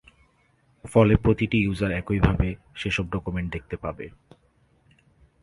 ফলে প্রতিটি ইউজার একইভাবে সেসব ডকুমেন্ট দেখতে পাবে।